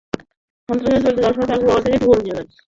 সন্ত্রাসীরা চলে যাওয়ার সময় তাঁর গোয়াল থেকে একটি গরু নিয়ে যায়।